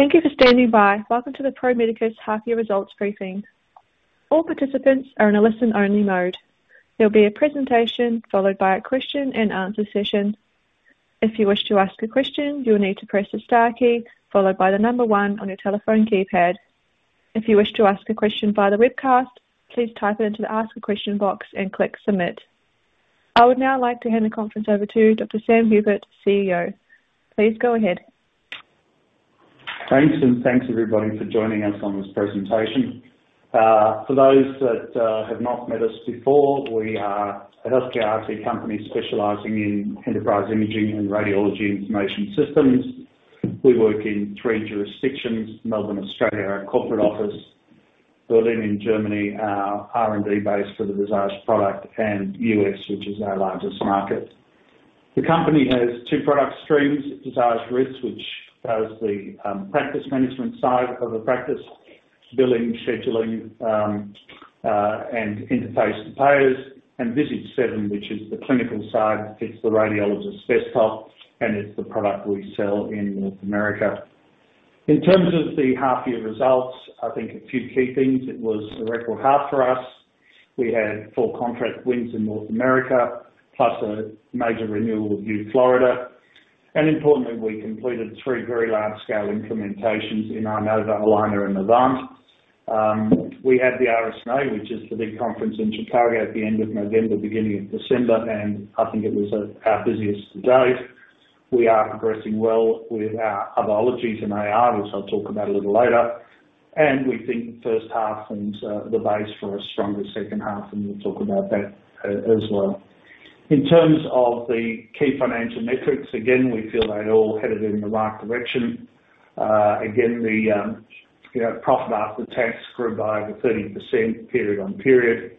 Thank you for standing by. Welcome to the Pro Medicus half year results briefing. All participants are in a listen-only mode. There'll be a presentation followed by a question-and-answer session. If you wish to ask a question, you'll need to press the star key followed by the number one on your telephone keypad. If you wish to ask a question via the webcast, please type it into the ask a question box and click Submit. I would now like to hand the conference over to Dr. Sam Hupert, CEO. Please go ahead. Thanks, thanks, everybody, for joining us on this presentation. For those that have not met us before, we are an ASX-listed company specializing in enterprise imaging and radiology information systems. We work in three jurisdictions. Melbourne, Australia, our corporate office. Berlin in Germany, our R&D base for the Visage product. U.S., which is our largest market. The company has two product streams, Visage RIS, which does the practice management side of the practice, billing, scheduling, and interface to payers, and Visage 7, which is the clinical side. It's the radiologist's desktop. It's the product we sell in North America. In terms of the half year results, I think a few key things. It was a record half for us. We had four contract wins in North America, plus a major renewal with UF Health. Importantly, we completed three very large-scale implementations in Inova, Allina, and Novant. We had the RSNA, which is the big conference in Chicago at the end of November, beginning of December, and I think it was our busiest to date. We are progressing well with our other ologies and AR, which I'll talk about a little later. We think first half and the base for a stronger second half, and we'll talk about that as well. In terms of the key financial metrics, again, we feel they're all headed in the right direction. Again, the, you know, profit after tax grew by over 30% period on period,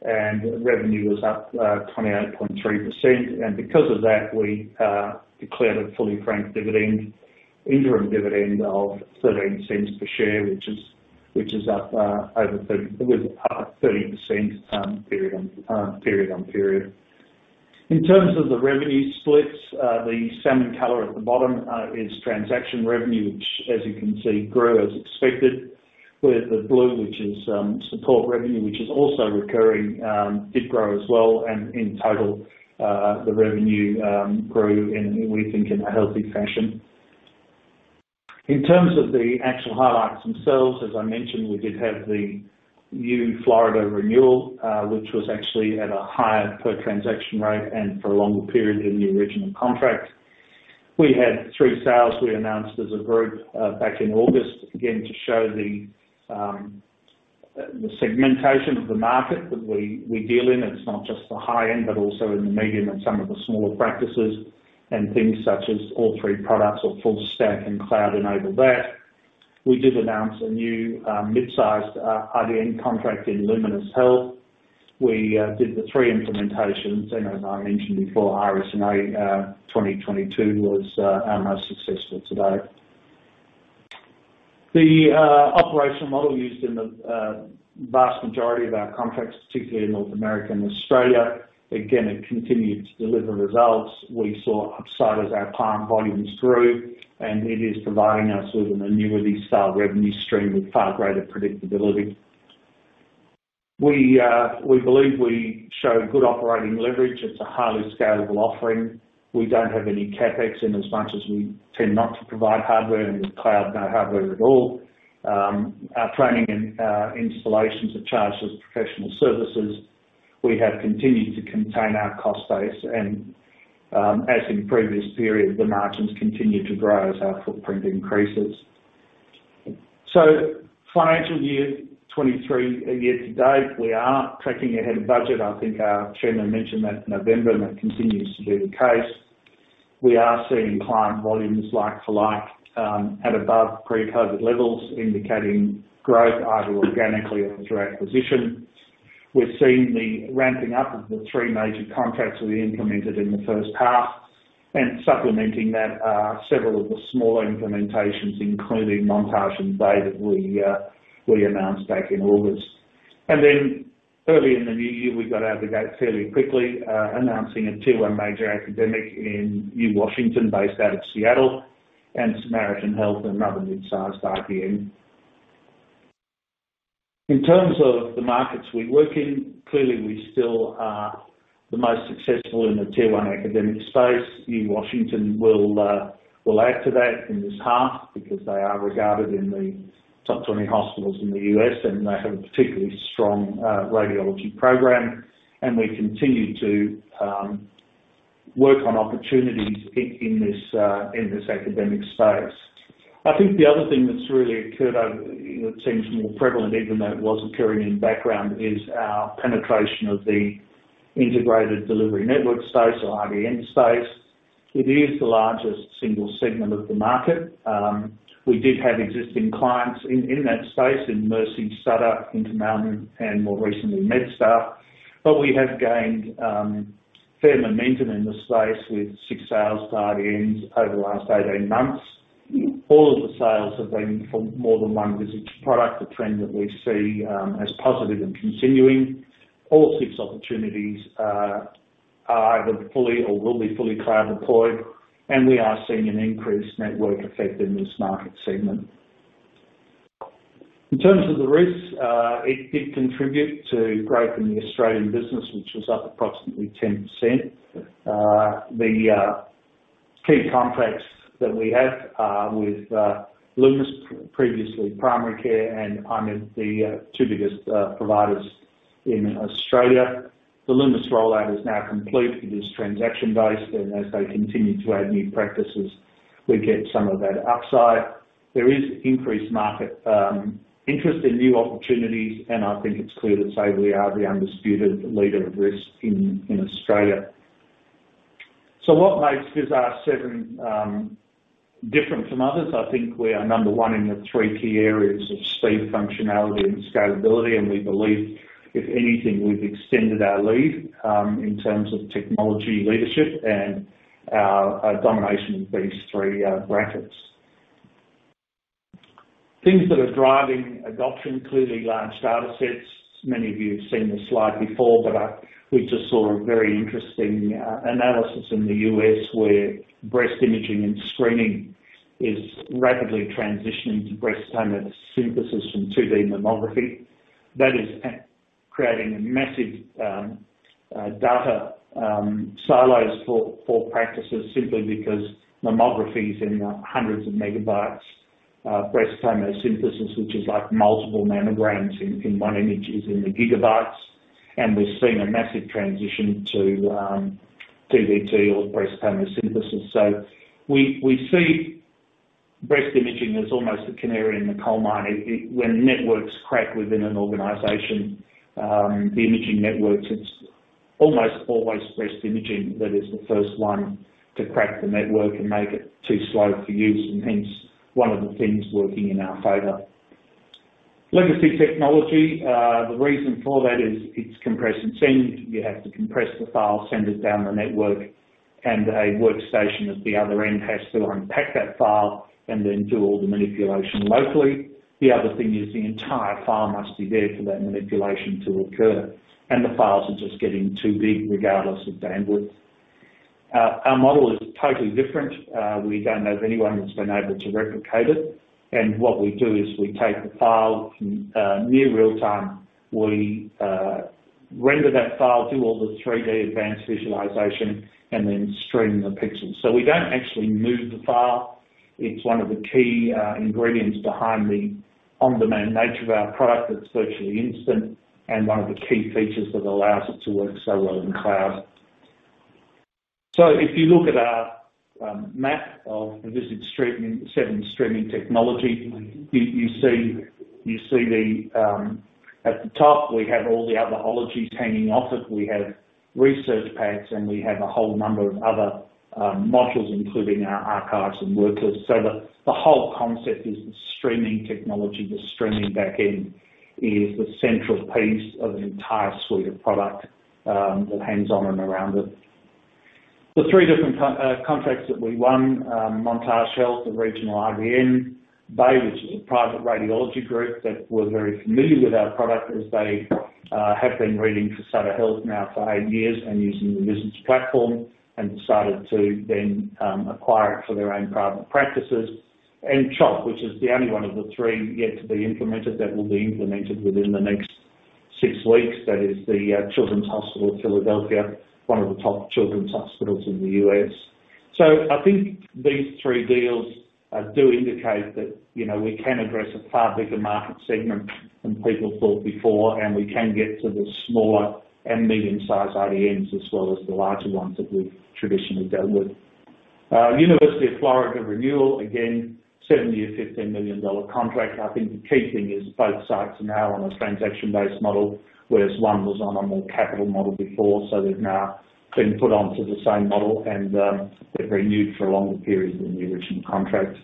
and revenue was up 28.3%. Because of that, we declared a fully franked dividend, interim dividend of 0.13 per share, which is up over 30% period on period. In terms of the revenue splits, the salmon color at the bottom is transaction revenue, which as you can see grew as expected. With the blue, which is support revenue, which is also recurring, did grow as well and in total, the revenue grew in, we think in a healthy fashion. In terms of the actual highlights themselves, as I mentioned, we did have the UF Florida renewal, which was actually at a higher per transaction rate and for a longer period than the original contract. We had 3 sales we announced as a group, back in August, again, to show the segmentation of the market that we deal in. It's not just the high-end, but also in the medium and some of the smaller practices and things such as all three products or full stack and cloud enabled that. We did announce a new mid-sized IDN contract in Luminis Health. We did the three implementations and as I mentioned before, RSNA 2022 was our most successful to date. The operational model used in the vast majority of our contracts, particularly in North America and Australia. Again, it continued to deliver results. We saw upsides as our exam volumes grew, and it is providing us with an annuity-style revenue stream with far greater predictability. We believe we show good operating leverage. It's a highly scalable offering. We don't have any CapEx in as much as we tend not to provide hardware. In the cloud, no hardware at all. Our training and installations are charged as professional services. We have continued to contain our cost base and, as in previous periods, the margins continue to grow as our footprint increases. Financial year, twenty-three year to date, we are tracking ahead of budget. I think our chairman mentioned that in November, and it continues to be the case. We are seeing client volumes like for like, at above pre-COVID levels, indicating growth either organically or through acquisition. We're seeing the ramping up of the 3 major contracts that we implemented in the first half. Supplementing that are several of the smaller implementations, including Montage and Bay that we announced back in August. Early in the new year, we got out of the gate fairly quickly, announcing a tier one major academic in UW Washington based out of Seattle and Samaritan Health, another mid-sized IDN. In terms of the markets we work in, clearly, we still are the most successful in the tier one academic space. UW Washington will add to that in this half because they are regarded in the top 20 hospitals in the U.S., and they have a particularly strong radiology program. We continue to work on opportunities in this academic space. I think the other thing that's really occurred over, you know, seems more prevalent even though it was occurring in background, is our penetration of the Integrated Delivery Network space or IDN space. It is the largest single segment of the market. We did have existing clients in that space in Mercy, Sutter, Intermountain, and more recently MedStar. We have gained fair momentum in the space with six sales to IDNs over the last eighteen months. All of the sales have been for more than one Visage product, a trend that we see as positive and continuing. All six opportunities are either fully or will be fully cloud deployed, and we are seeing an increased network effect in this market segment. In terms of the risks, it did contribute to growth in the Australian business, which was up approximately 10%. The key contracts that we have with Lumus, previously Primary Care and I-MED, the two biggest providers in Australia. The Lumus rollout is now complete. It is transaction-based, and as they continue to add new practices, we get some of that upside. There is increased market interest in new opportunities, and I think it's clear to say we are the undisputed leader of RIS in Australia. What makes Visage 7 different from others? I think we are number one in the three key areas of speed, functionality, and scalability, and we believe, if anything, we've extended our lead in terms of technology leadership and our domination of these three brackets. Things that are driving adoption, clearly large datasets. Many of you have seen this slide before, but we just saw a very interesting analysis in the U.S., where breast imaging and screening is rapidly transitioning to breast tomosynthesis from 2D mammography. That is creating massive data silos for practices, simply because mammography is in hundreds of megabytes. Breast tomosynthesis, which is like multiple mammograms in one image, is in the gigabytes. We're seeing a massive transition to 2DT or breast tomosynthesis. We see breast imaging as almost the canary in the coal mine. When networks crack within an organization, the imaging networks, it's almost always breast imaging that is the first one to crack the network and make it too slow for use, and hence one of the things working in our favor. Legacy technology, the reason for that is it's compress-and-send. You have to compress the file, send it down the network, and a workstation at the other end has to unpack that file and then do all the manipulation locally. The other thing is the entire file must be there for that manipulation to occur, and the files are just getting too big, regardless of bandwidth. Our model is totally different. We don't know of anyone that's been able to replicate it. What we do is we take the file from near real time. We render that file, do all the 3-D advanced visualization, and then stream the pixels. We don't actually move the file. It's one of the key ingredients behind the on-demand nature of our product that's virtually instant and one of the key features that allows it to work so well in cloud. If you look at our map of the Visage 7 streaming technology, you see the at the top, we have all the other ologies hanging off it. We have research packs, and we have a whole number of other modules, including our archives and Worklist. The whole concept is the streaming technology. The streaming back-end is the central piece of an entire suite of product that hangs on and around it. The three different contracts that we won, Montage Health, the regional IDN, Bay, which is a private radiology group that were very familiar with our product as they have been reading for Sutter Health now for eight- years and using the Visage platform and decided to then acquire it for their own private practices. CHOP, which is the only one of the three yet to be implemented, that will be implemented within the next 6 weeks. That is the Children's Hospital of Philadelphia, one of the top children's hospitals in the U.S. I think these three deals do indicate that, you know, we can address a far bigger market segment than people thought before, and we can get to the smaller and medium-sized IDNs, as well as the larger ones that we've traditionally dealt with. University of Florida renewal, again, seven-year, $15 million contract. I think the key thing is both sites are now on a transaction-based model, whereas one was on the capital model before. They've now been put onto the same model and they're renewed for a longer period than the original contract.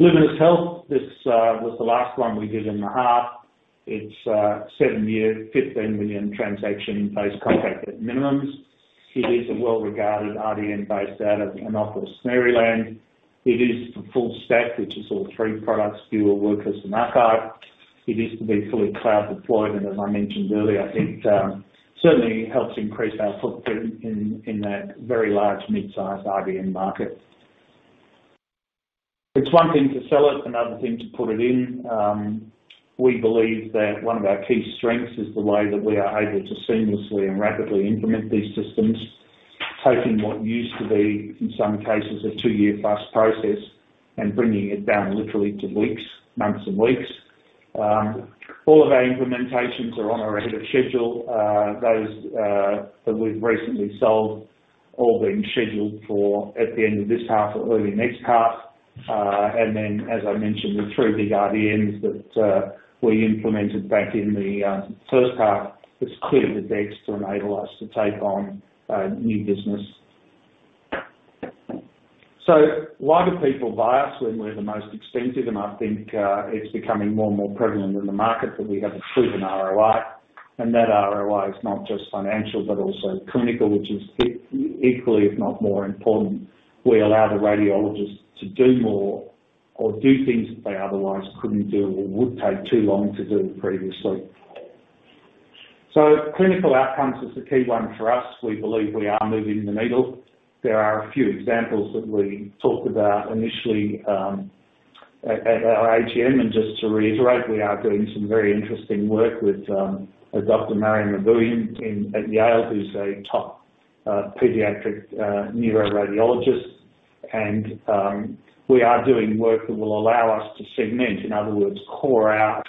Luminis Health, this was the last one we did in the half. It's a seven-year, $15 million transaction-based contract at minimums. It is a well-regarded IDN based out of Annapolis, Maryland. It is for full stack, which is all three products, Viewer, Workflow, and Archive. It is to be fully cloud deployed. As I mentioned earlier, I think, certainly helps increase our footprint in that very large mid-sized IDN market. It's one thing to sell it, another thing to put it in. We believe that one of our key strengths is the way that we are able to seamlessly and rapidly implement these systems, taking what used to be, in some cases, a two-year plus process and bringing it down literally to weeks, months and weeks. All of our implementations are on or ahead of schedule. Those that we've recently sold all being scheduled for at the end of this half or early next half. As I mentioned, the three big IDNs that we implemented back in the first half has cleared the decks to enable us to take on new business. Why do people buy us when we're the most expensive? I think it's becoming more and more prevalent in the market that we have a proven ROI. That ROI is not just financial, but also clinical, which is equally, if not more important. We allow the radiologist to do more or do things that they otherwise couldn't do or would take too long to do previously. Clinical outcomes is the key one for us. We believe we are moving the needle. There are a few examples that we talked about initially at our AGM. Just to reiterate, we are doing some very interesting work with Dr. Nayan Bhatia at Yale, who's a top pediatric neuroradiologist. We are doing work that will allow us to segment, in other words, core out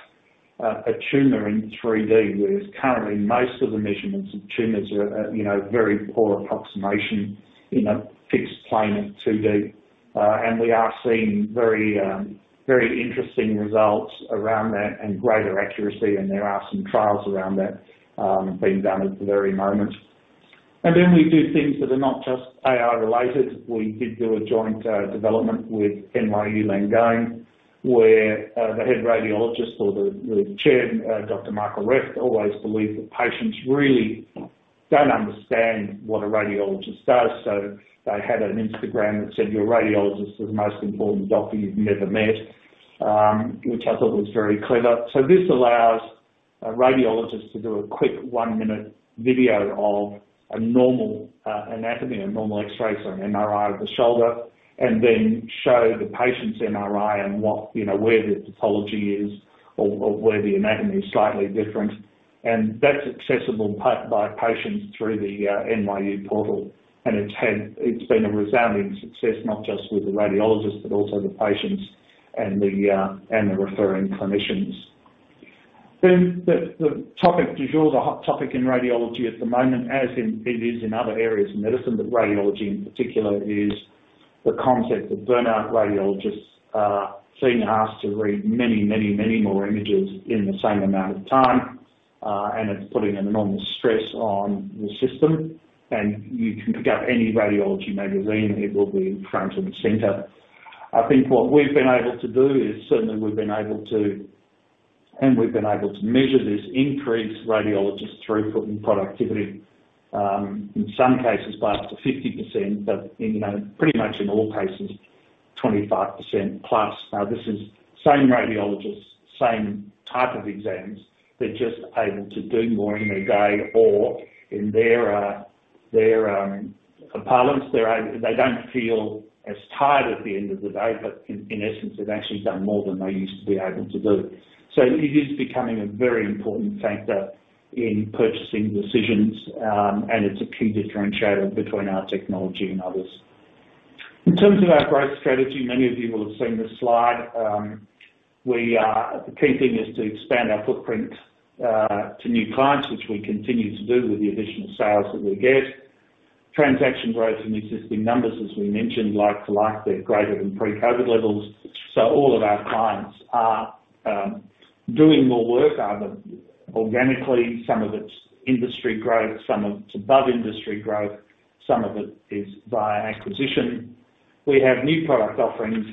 a tumor in 3D, whereas currently most of the measurements of tumors are, you know, very poor approximation in a fixed plane at 2D. We are seeing very interesting results around that and greater accuracy, and there are some trials around that being done at the very moment. We do things that are not just AR related. We did do a joint development with NYU Langone, where the head radiologist or the chair, Dr. Michael Recht, always believed that patients really don't understand what a radiologist does. They had an Instagram that said, "Your radiologist is the most important doctor you've never met," which I thought was very clever. This allows a radiologist to do a quick one-minute video of a normal anatomy and normal X-rays or an MRI of the shoulder, and then show the patient's MRI and what, you know, where the pathology is or where the anatomy is slightly different. That's accessible by patients through the NYU portal. It's been a resounding success, not just with the radiologists, but also the patients and the referring clinicians. The topic du jour, the hot topic in radiology at the moment, it is in other areas of medicine, but radiology in particular, is the concept of burnout. Radiologists are being asked to read many more images in the same amount of time, and it's putting an enormous stress on the system. You can pick up any radiology magazine, it will be front and center. I think what we've been able to do is certainly we've been able to measure this increased radiologist throughput and productivity, in some cases by up to 50%, but in, you know, pretty much in all cases, 25% plus. Now, this is same radiologists, same type of exams. They're just able to do more in a day or in their components, they don't feel as tired at the end of the day, but in essence, they've actually done more than they used to be able to do. It is becoming a very important factor in purchasing decisions, and it's a key differentiator between our technology and others. In terms of our growth strategy, many of you will have seen this slide. The key thing is to expand our footprint to new clients, which we continue to do with the additional sales that we get. Transaction growth in existing numbers, as we mentioned, like for like, they're greater than pre-COVID levels. All of our clients are doing more work, either organically, some of it's industry growth, some of it's above industry growth, some of it is via acquisition. We have new product offerings.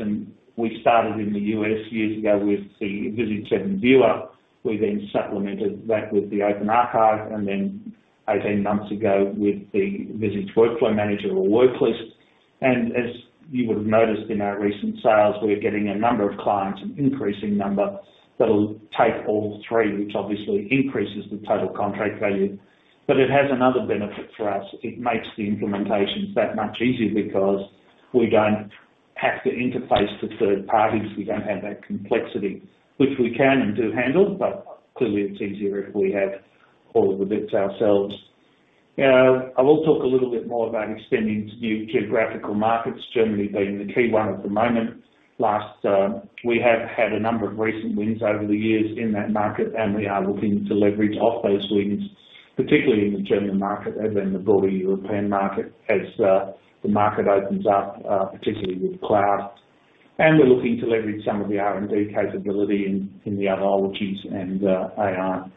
We started in the U.S. years ago with the Visage 7 Viewer. We then supplemented that with the Open Archive, and then eighteen months ago with the Visage Workflow Manager or Worklist. As you would have noticed in our recent sales, we're getting a number of clients, an increasing number, that'll take all three, which obviously increases the total contract value. It has another benefit for us. It makes the implementations that much easier because we don't have to interface to third parties. We don't have that complexity, which we can and do handle, but clearly it's easier if we have all of the bits ourselves. I will talk a little bit more about extending to new geographical markets, Germany being the key one at the moment. Last, we have had a number of recent wins over the years in that market, and we are looking to leverage off those wins, particularly in the German market and then the broader European market as the market opens up, particularly with cloud. We're looking to leverage some of the R&D capability in the other ologies. Our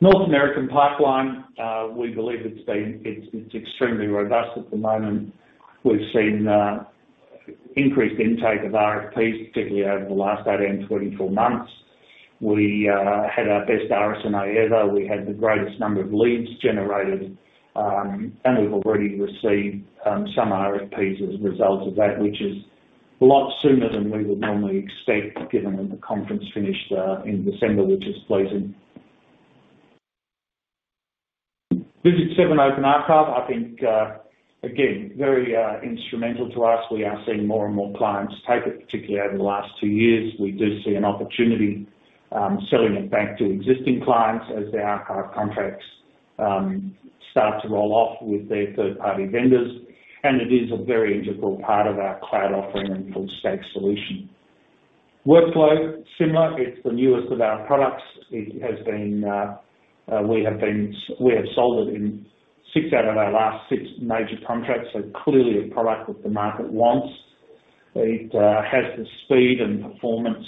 North American pipeline, we believe it's extremely robust at the moment. We've seen increased intake of RFPs, particularly over the last eighteen- twenty four months. We had our best RSNA ever. We had the greatest number of leads generated, and we've already received some RFPs as a result of that, which is a lot sooner than we would normally expect, given that the conference finished in December, which is pleasing. Visage 7 Open Archive, I think, again, very instrumental to us. We are seeing more and more clients take it, particularly over the last two years. We do see an opportunity selling it back to existing clients as their archive contracts start to roll off with their third-party vendors. It is a very integral part of our cloud offering and full stack solution. Workflow, similar. It's the newest of our products. It has been, we have sold it in six out of our last six major contracts, clearly a product that the market wants. It has the speed and performance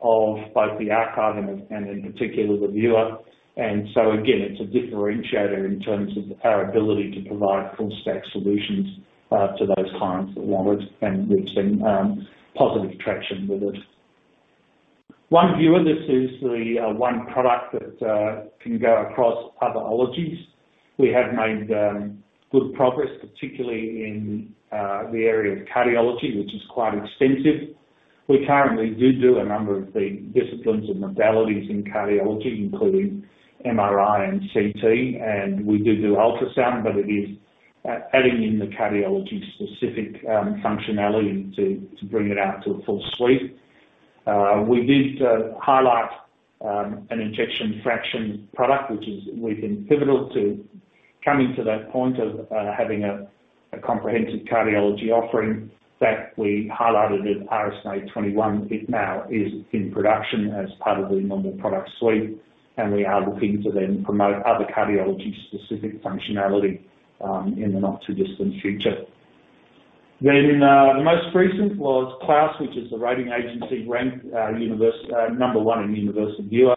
of both the archive and in particular, the viewer. Again, it's a differentiator in terms of our ability to provide full stack solutions to those clients that want it, and we've seen positive traction with it. One Viewer, this is the one product that can go across other ologies. We have made good progress, particularly in the area of cardiology, which is quite extensive. We currently do a number of the disciplines and modalities in cardiology, including MRI and CT, and we do ultrasound, but it is adding in the cardiology-specific functionality to bring it out to a full suite. We did highlight an ejection fraction product, which we've been pivotal to coming to that point of having a comprehensive cardiology offering that we highlighted at RSNA 21. It now is in production as part of the normal product suite, and we are looking to then promote other cardiology-specific functionality in the not-too-distant future. The most recent was KLAS, which is the rating agency, ranked number one in universal viewer.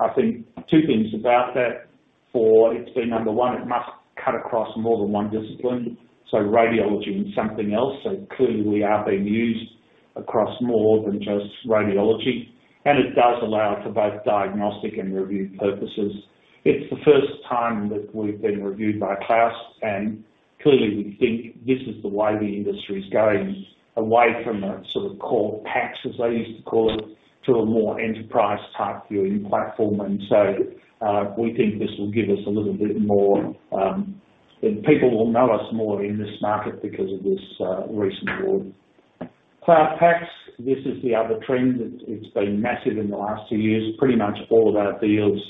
I think two things about that. For it to be number one, it must cut across more than one discipline, so radiology and something else. Clearly, we are being used across more than just radiology, and it does allow for both diagnostic and review purposes. It's the first time that we've been reviewed by KLAS, and clearly we think this is the way the industry's going, away from a sort of core PACS, as they used to call it, to a more enterprise-type viewing platform. We think this will give us a little bit more. People will know us more in this market because of this recent award. Cloud PACS, this is the other trend. It's been massive in the last two years. Pretty much all of our deals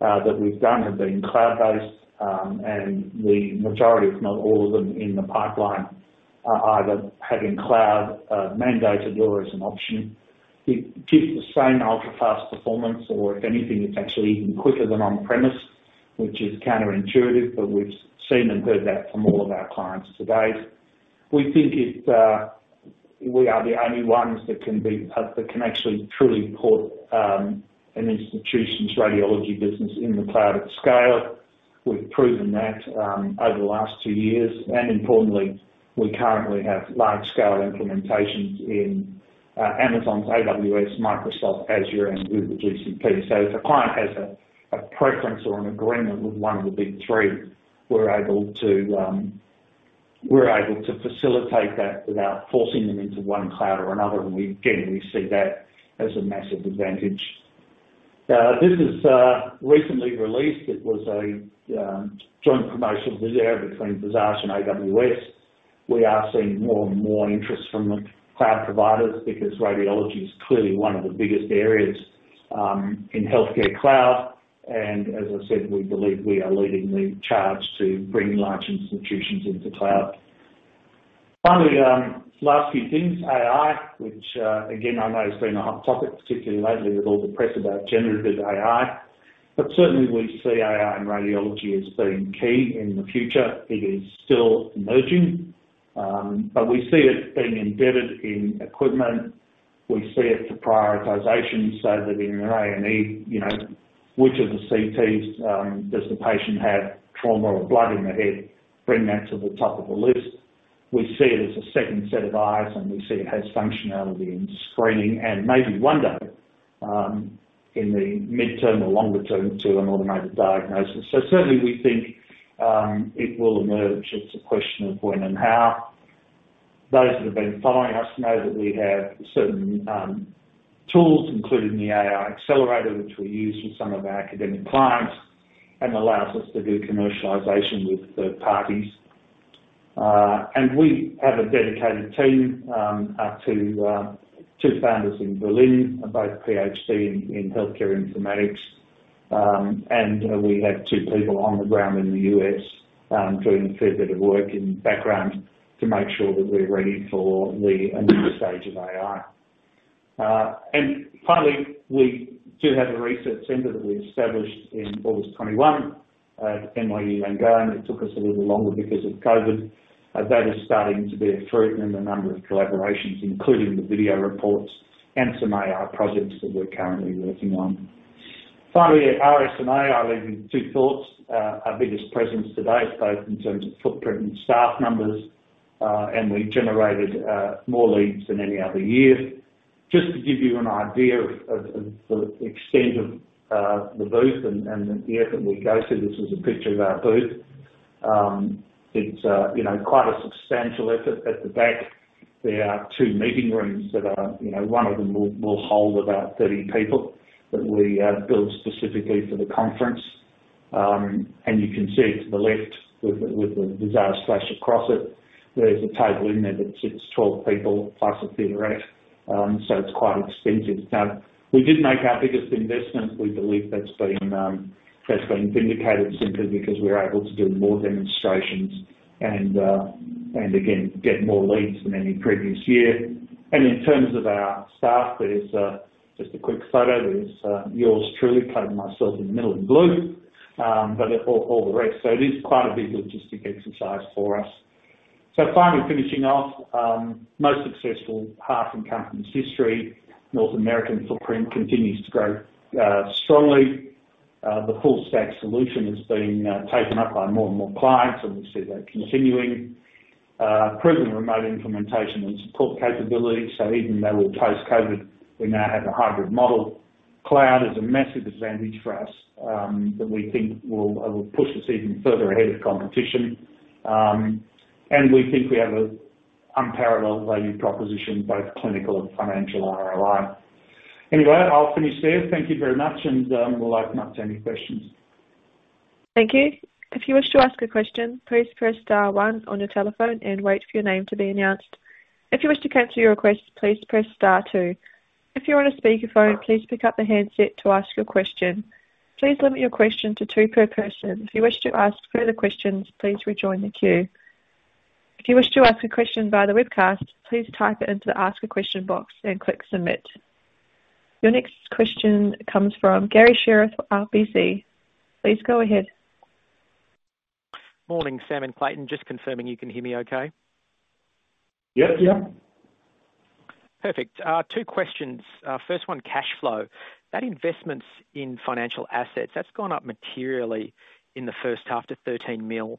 that we've done have been cloud-based, and the majority, if not all of them, in the pipeline are either having cloud mandated or as an option. It gives the same ultra-fast performance or if anything, it's actually even quicker than on-premise, which is counterintuitive, but we've seen and heard that from all of our clients to date. We think it's. We are the only ones that can actually truly put an institution's radiology business in the cloud at scale. We've proven that over the last two- years, and importantly, we currently have large-scale implementations in Amazon's AWS, Microsoft Azure, and Google GCP. If a client has a preference or an agreement with one of the big three, we're able to facilitate that without forcing them into one cloud or another, and we generally see that as a massive advantage. This is recently released. It was a joint promotion vizair between Visage and AWS. We are seeing more and more interest from the cloud providers because radiology is clearly one of the biggest areas in healthcare cloud. As I said, we believe we are leading the charge to bring large institutions into cloud. Last few things. AI, which again, I know has been a hot topic, particularly lately with all the press about generative AI. Certainly, we see AI in radiology as being key in the future. It is still emerging, but we see it being embedded in equipment. We see it for prioritization so that in an A&E, you know, which of the CTs does the patient have trauma or blood in the head, bring that to the top of the list. We see it as a second set of eyes, and we see it has functionality in screening and maybe one day, in the midterm or longer term to an automated diagnosis. Certainly, we think, it will emerge. It's a question of when and how. Those that have been following us know that we have certain, tools, including the AI accelerator, which we use with some of our academic clients and allows us to do commercialization with third parties. We have a dedicated team, our two founders in Berlin are both Ph.D. in healthcare informatics. We have two people on the ground in the U.S., doing a fair bit of work in the background to make sure that we're ready for another stage of AI. Finally, we do have a research center that we established in 21, August at NYU Langone. It took us a little longer because of COVID. That is starting to bear fruit in the number of collaborations, including the video reports and some AI projects that we're currently working on. Finally, at RSNA, I leave you with two thoughts. Our biggest presence to date, both in terms of footprint and staff numbers, and we generated more leads than any other year. Just to give you an idea of the extent of the booth and the effort we go through, this is a picture of our booth. It's, you know, quite a substantial effort. At the back, there are two meeting rooms that are, you know, one of them will hold about 30 people that we built specifically for the conference. You can see to the left with the Visage splash across it, there's a table in there that sits twelve people plus a theaterette, so it's quite extensive. Now, we did make our biggest investment. We believe that's been vindicated simply because we're able to do more demonstrations and again, get more leads than any previous year. In terms of our staff, there's just a quick photo. There's yours truly colored myself in the middle in blue, but they're all the rest. It is quite a big logistic exercise for us. Finally, finishing off, most successful path in company's history. North American footprint continues to grow strongly. The full stack solution is being taken up by more and more clients, and we see that continuing. Proven remote implementation and support capability. Even though we're post-COVID, we now have a hybrid model. Cloud is a massive advantage for us that we think will push us even further ahead of competition. We think we have an unparalleled value proposition, both clinical and financial ROI. Anyway, I'll finish there. Thank you very much, and we'll open up to any questions. Thank you. If you wish to ask a question, please press star one on your telephone and wait for your name to be announced. If you wish to cancel your request, please press star two. If you're on a speakerphone, please pick up the handset to ask your question. Please limit your question to two per person. If you wish to ask further questions, please rejoin the queue. If you wish to ask a question via the webcast, please type it into the Ask a Question box and click submit. Your next question comes from Garry Sherriff, RBC. Please go ahead. Morning, Sam and Clayton. Just confirming you can hear me okay. Yes. Perfect. Two questions. First one, cash flow. That investments in financial assets, that's gone up materially in the first half to 13 million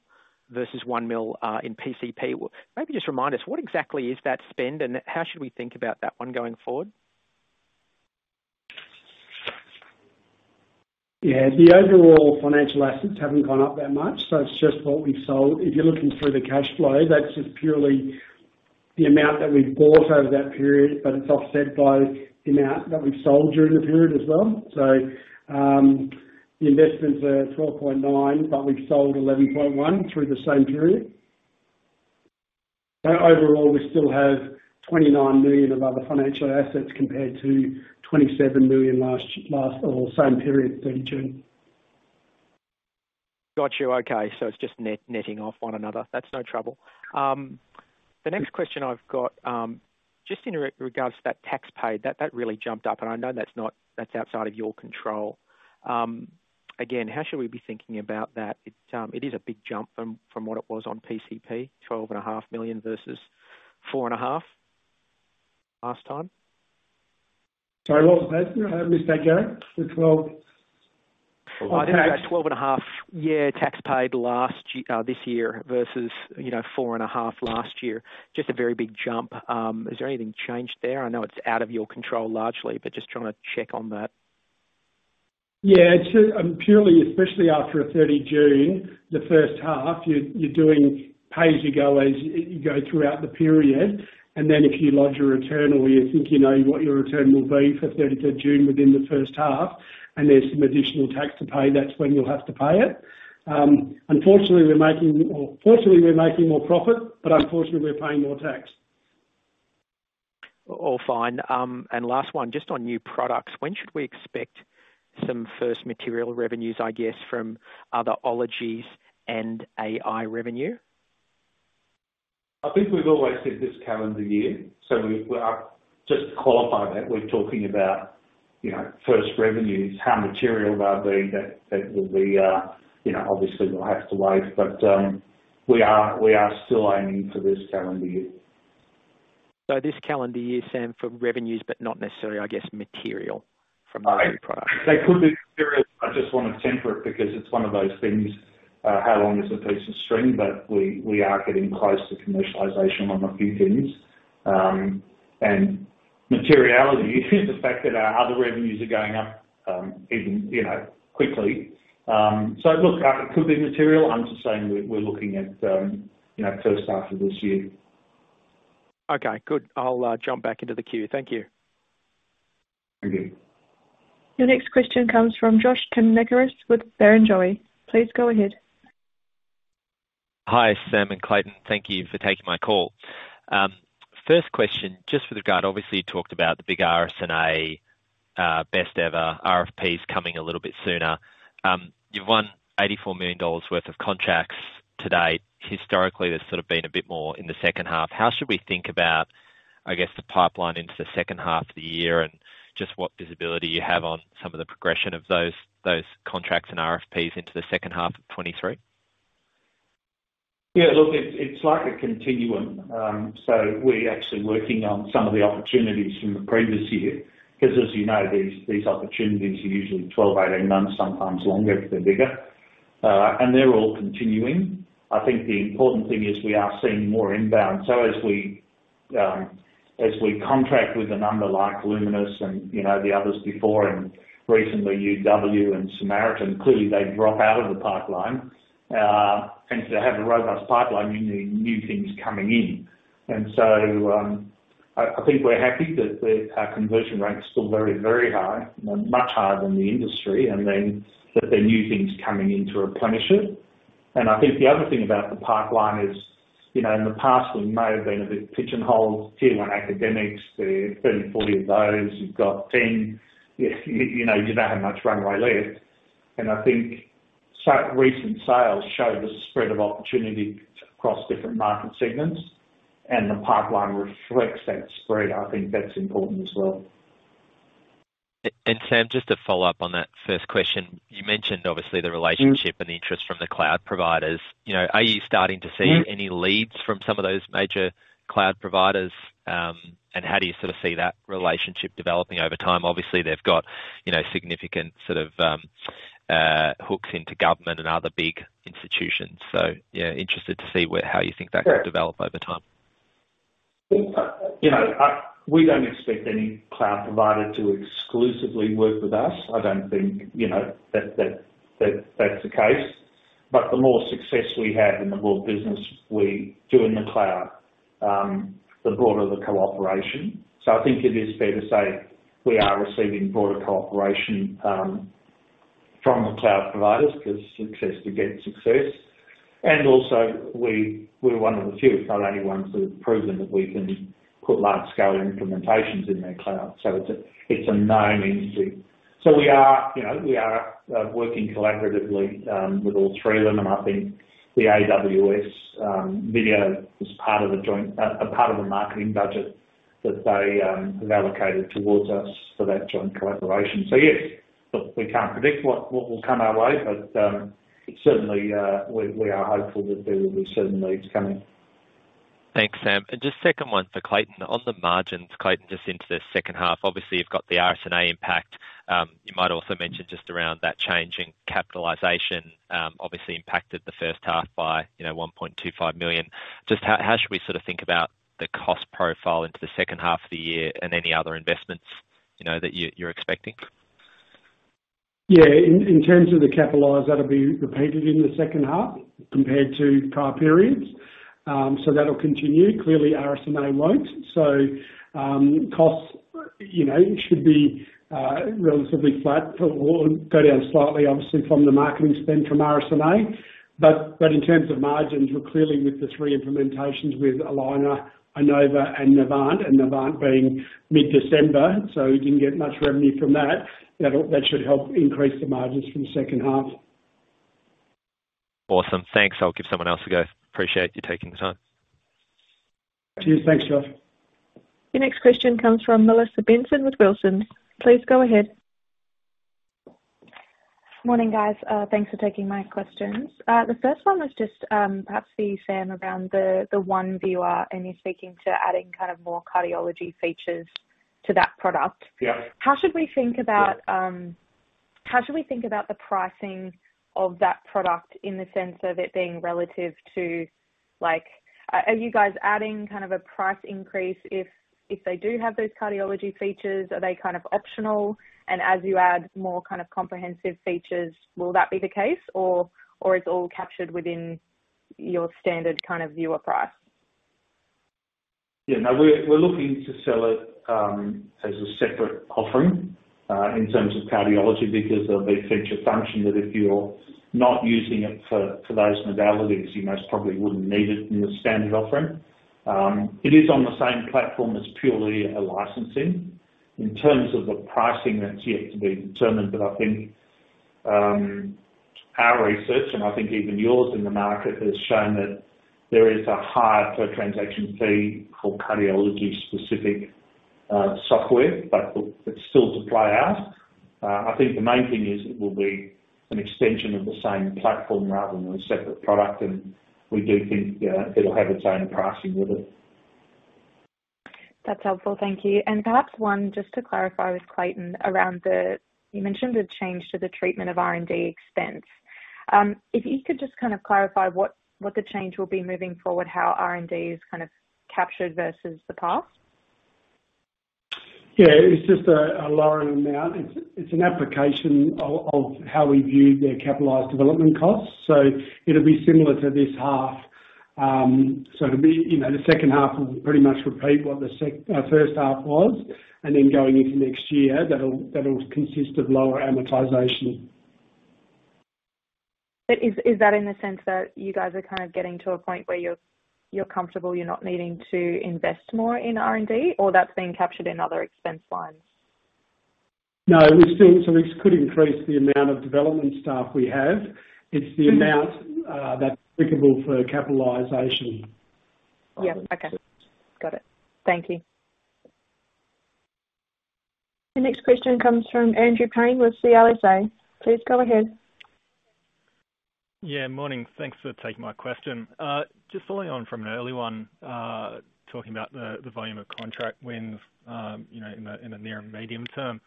versus 1 million, in PCP. Maybe just remind us what exactly is that spend, and how should we think about that one going forward? The overall financial assets haven't gone up that much, so it's just what we've sold. If you're looking through the cash flow, that's just purely the amount that we've bought over that period, but it's offset by the amount that we've sold during the period as well. The investments are 12.9 million, but we've sold 11.1 million through the same period. Overall, we still have 29 million of other financial assets compared to 27 million last year, last or same period, 30 June. Got you. Okay. It's just netting off one another. That's no trouble. The next question I've got, just in regards to that tax paid, that really jumped up and I know that's outside of your control. Again, how should we be thinking about that? It is a big jump from what it was on PCP, 12.5 million versus AUD 4.5 million last time. Sorry, what was that? I missed that, Garry. The twelve and a half, yeah, tax paid last year, this year versus, you know, four and a half last year. Just a very big jump. Is there anything changed there? I know it's out of your control largely, but just trying to check on that. Purely especially after 30 June, the first half, you're doing pay-as-you-go as you go throughout the period, and then if you lodge a return or you think you know what your return will be for 30th June within the first half and there's some additional tax to pay, that's when you'll have to pay it. Unfortunately, we're making or fortunately we're making more profit, but unfortunately we're paying more tax. All fine. Last one, just on new products. When should we expect some first material revenues, I guess, from other ologies and AI revenue? I think we've always said this calendar year. We are Just to qualify that, we're talking about, you know, first revenues, how material they'll be. That will be, you know, obviously we'll have to wait. We are still aiming for this calendar year. This calendar year, Sam, for revenues, but not necessarily, I guess, material from the new product. They could be material. I just want to temper it because it's one of those things, how long is a piece of string? We are getting close to commercialization on a few things. Materiality is the fact that our other revenues are going up, even, you know, quickly. Look, it could be material. I am just saying we are looking at, you know, first half of this year. Okay, good. I'll jump back into the queue. Thank you. Thank you. Your next question comes from Josh Kannourakis with Barrenjoey. Please go ahead. Hi, Sam and Clayton. Thank you for taking my call. First question, just with regard, obviously, you talked about the big RSNA, best ever RFPs coming a little bit sooner. You've won $84 million worth of contracts to date. Historically, there's sort of been a bit more in the second half. How should we think about, I guess, the pipeline into the second half of the year and just what visibility you have on some of the progression of those contracts and RFPs into the second half of 2023? Yeah. Look, it's like a continuum. We're actually working on some of the opportunities from the previous year 'cause as you know, these opportunities are usually 12, 18 months, sometimes longer if they're bigger. They're all continuing. I think the important thing is we are seeing more inbound. As we contract with a number like Luminis and, you know, the others before and recently UW and Samaritan, clearly they drop out of the pipeline. To have a robust pipeline, you need new things coming in. I think we're happy that our conversion rate is still very, very high, much higher than the industry, and that there are new things coming in to replenish it. I think the other thing about the pipeline is, you know, in the past we may have been a bit pigeonholed, tier one academics, there are 30, 40 of those. You've got 10. You know, you don't have much runway left. I think recent sales show the spread of opportunity across different market segments, and the pipeline reflects that spread. I think that's important as well. Sam, just to follow up on that first question. You mentioned obviously the relationship and the interest from the cloud providers. You know, are you starting to see any leads from some of those major cloud providers? How do you sort of see that relationship developing over time? Obviously, they've got, you know, significant sort of, hooks into government and other big institutions. Yeah, interested to see how you think that could develop over time. We don't expect any cloud provider to exclusively work with us. I don't think, you know, that's the case. The more success we have and the more business we do in the cloud, the broader the cooperation. I think it is fair to say we are receiving broader cooperation from the cloud providers 'cause success begets success. Also we're one of the few, if not only ones, who have proven that we can put large scale implementations in their cloud. It's a known entity. We are, you know, working collaboratively with all three of them, and I think the AWS video was part of a joint marketing budget that they have allocated towards us for that joint collaboration. Yes, look, we can't predict what will come our way, but certainly, we are hopeful that there will be certain leads coming. Thanks, Sam. Just second one for Clayton. On the margins, Clayton, just into the second half, obviously you've got the RSNA impact. You might also mention just around that change in capitalization, obviously impacted the first half by, you know, 1.25 million. Just how should we sort of think about the cost profile into the second half of the year and any other investments, you know, that you're expecting? Yeah. In terms of the capitalize, that'll be repeated in the second half compared to prior periods. So that'll continue. Clearly RSNA won't. Costs, you know, should be relatively flat for or go down slightly obviously from the marketing spend from RSNA. In terms of margins, we're clearly with the three implementations with Allina, Inova and Novant. Novant being mid-December, so we didn't get much revenue from that. That should help increase the margins for the second half. Awesome. Thanks. I'll give someone else a go. Appreciate you taking the time. Cheers. Thanks, Josh. Your next question comes from Melissa Benson with Wilsons Advisory. Please go ahead. Morning, guys. Thanks for taking my questions. The first one was just, perhaps for you, Sam, around the One Viewer, and you're speaking to adding kind of more cardiology features to that product. Yeah. How should we think about the pricing of that product in the sense of it being relative to Are you guys adding kind of a price increase if they do have those cardiology features, are they kind of optional and as you add more kind of comprehensive features, will that be the case or it's all captured within your standard kind of viewer price? No, we're looking to sell it as a separate offering in terms of cardiology, because of the feature function that if you're not using it for those modalities, you most probably wouldn't need it in the standard offering. It is on the same platform that's purely a licensing. In terms of the pricing, that's yet to be determined. I think our research, and I think even yours in the market, has shown that there is a higher per transaction fee for cardiology specific software, look, it's still to play out. I think the main thing is it will be an extension of the same platform rather than a separate product. We do think, you know, it'll have its own pricing with it. That's helpful, thank you. Perhaps one just to clarify with Clayton. You mentioned a change to the treatment of R&D expense. If you could just kind of clarify what the change will be moving forward, how R&D is kind of captured versus the past. Yeah. It's just a lowering amount. It's an application of how we view their capitalized development costs. It'll be similar to this half. To me, you know, the second half will pretty much repeat what the first half was, and then going into next year that'll consist of lower amortization. Is that in the sense that you guys are kind of getting to a point where you're comfortable you're not needing to invest more in R&D or that's being captured in other expense lines? No. We could increase the amount of development staff we have. It's the amount that's applicable for capitalization. Yeah. Okay. Got it. Thank you. Your next question comes from Andrew Paine with CLSA. Please go ahead. Yeah, morning. Thanks for taking my question. Just following on from an early one, talking about the volume of contract wins, you know, in the near and medium term.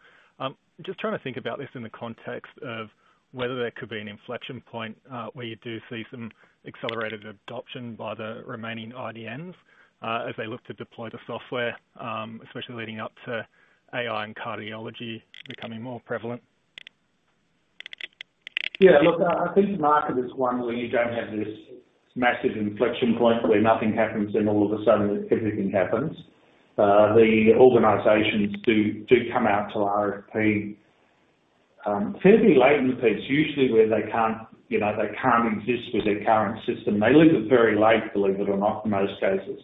Just trying to think about this in the context of whether there could be an inflection point, where you do see some accelerated adoption by the remaining IDNs, as they look to deploy the software, especially leading up to AI and cardiology becoming more prevalent? Yeah. Look, I think the market is one where you don't have this massive inflection point where nothing happens and all of a sudden everything happens. The organizations do come out to RFP fairly late in the piece, usually where they can't, you know, they can't exist with their current system. They leave it very late, believe it or not, in most cases.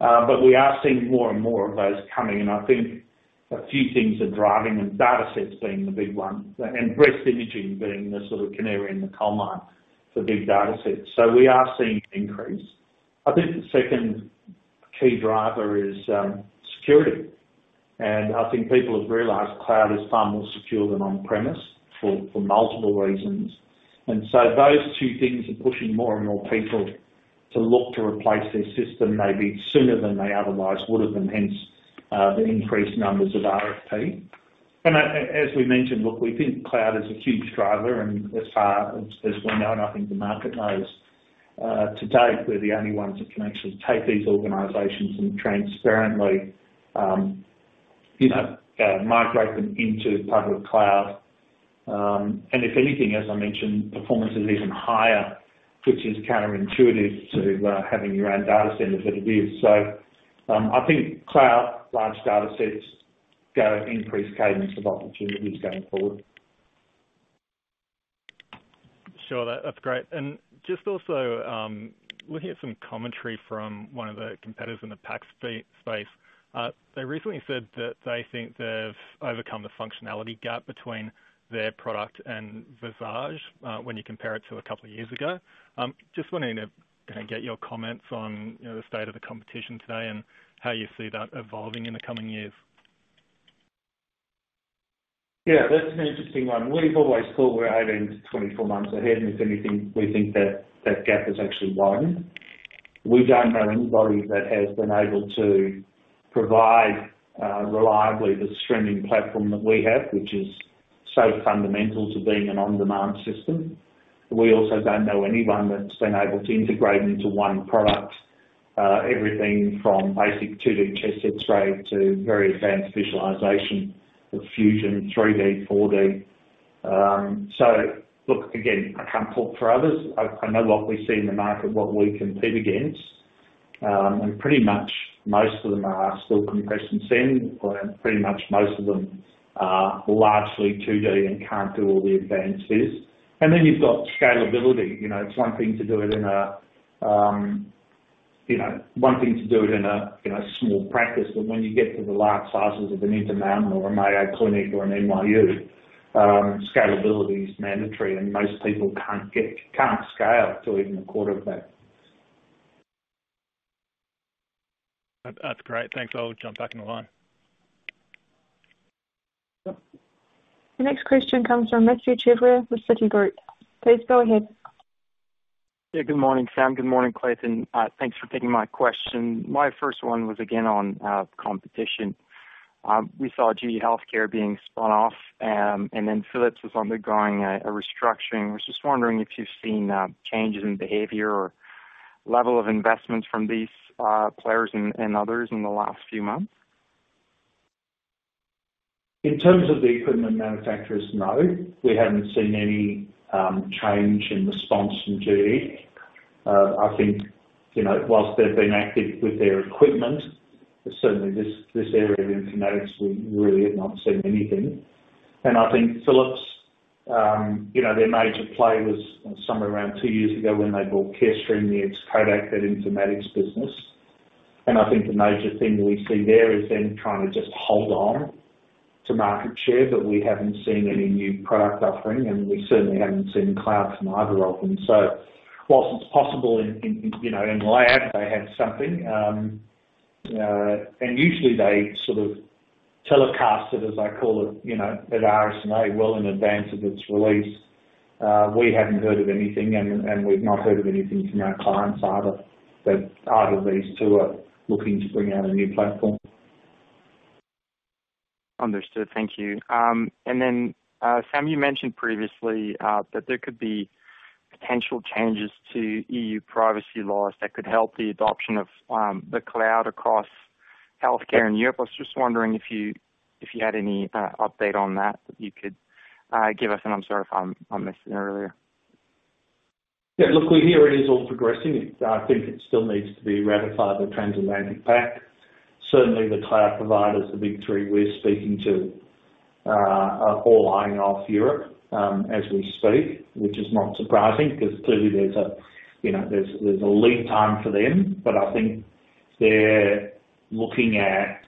We are seeing more and more of those coming, and I think a few things are driving, and datasets being the big one, and breast imaging being the sort of canary in the coal mine for big datasets. We are seeing an increase. I think the second key driver is security. I think people have realized cloud is far more secure than on-premise for multiple reasons. Those two things are pushing more and more people to look to replace their system maybe sooner than they otherwise would have been, hence, the increased numbers of RFP. As we mentioned, look, we think cloud is a huge driver, and as far as we know, and I think the market knows, to date, we're the only ones that can actually take these organizations and transparently, you know, migrate them into public cloud. If anything, as I mentioned, performance is even higher, which is counterintuitive to having your own data centers than it is. I think cloud, large datasets go increase cadence of opportunities going forward. Sure, that's great. Just also, looking at some commentary from one of the competitors in the PACS space, they recently said that they think they've overcome the functionality gap between their product and Visage, when you compare it to a couple of years ago. Just wondering if kind of get your comments on, you know, the state of the competition today and how you see that evolving in the coming years. Yeah, that's an interesting one. We've always thought we're 18 to 24 months ahead, and if anything, we think that that gap has actually widened. We don't know anybody that has been able to provide reliably the streaming platform that we have, which is so fundamental to being an on-demand system. We also don't know anyone that's been able to integrate into one product everything from basic 2D chest X-ray to very advanced visualization with Fusion 3D, 4D. So look, again, I can't talk for others. I know what we see in the market, what we compete against, and pretty much most of them are still compress and send, or pretty much most of them are largely 2D and can't do all the advances. You've got scalability. You know, it's one thing to do it in a, you know, one thing to do it in a, in a small practice, but when you get to the large sizes of an Intermountain or a Mayo Clinic or an NYU, scalability is mandatory, and most people can't scale to even a quarter of that. That's great. Thanks. I'll jump back in the line. The next question comes from Mathieu Chevrier with Citigroup. Please go ahead. Yeah, good morning, Sam. Good morning, Clayton. Thanks for taking my question. My first one was again on competition. We saw GE HealthCare being spun off, and then Philips was undergoing a restructuring. Was just wondering if you've seen changes in behavior or level of investments from these players and others in the last few months? In terms of the equipment manufacturers, no. We haven't seen any change in response from GE. I think, you know, whilst they've been active with their equipment, but certainly this area of informatics, we really have not seen anything. I think Philips, you know, their major play was somewhere around two years ago when they bought Carestream, the ex-Kodak, that informatics business. I think the major thing we see there is them trying to just hold on to market share, but we haven't seen any new product offering, and we certainly haven't seen cloud from either of them. Whilst it's possible in, you know, in lab they have something, and usually they sort of telecast it, as I call it, you know, at RSNA well in advance of its release. We haven't heard of anything, and we've not heard of anything from our clients either, that either of these two are looking to bring out a new platform. Understood. Thank you. Sam, you mentioned previously, that there could be potential changes to EU privacy laws that could help the adoption of the cloud across healthcare in Europe. I was just wondering if you had any update on that you could give us, and I'm sorry if I missed it earlier. Yeah, look, we hear it is all progressing. I think it still needs to be ratified, the Trans-Atlantic Pact. Certainly, the cloud providers, the big three we're speaking to, are all eyeing off Europe as we speak, which is not surprising because clearly there's a, you know, there's a lead time for them. I think they're looking at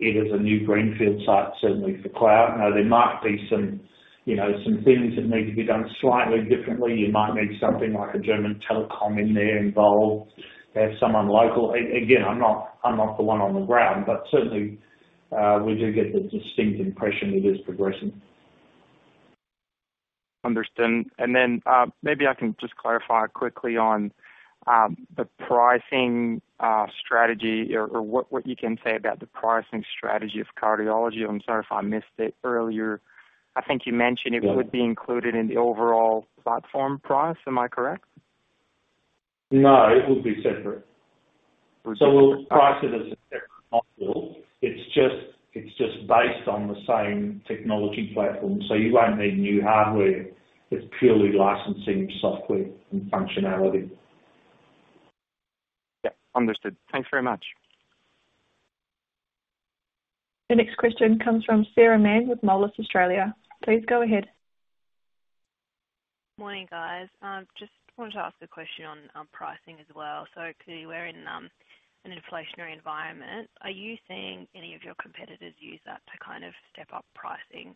it as a new greenfield site, certainly for cloud. You know, there might be some, you know, some things that need to be done slightly differently. You might need something like a German telecom in there involved. Have someone local. Again, I'm not the one on the ground, but certainly, we do get the distinct impression it is progressing. Understand. Then, maybe I can just clarify quickly on the pricing strategy or what you can say about the pricing strategy of cardiology. I'm sorry if I missed it earlier. I think you mentioned. Yeah. it would be included in the overall platform price. Am I correct? No, it would be separate. We'll price it as a separate module. It's just based on the same technology platform. You won't need new hardware. It's purely licensing software and functionality. Yeah. Understood. Thanks very much. The next question comes from Sarah Mann with Moelis Australia. Please go ahead. Morning, guys. just wanted to ask a question on pricing as well. clearly we're in an inflationary environment. Are you seeing any of your competitors use that to kind of step up pricing?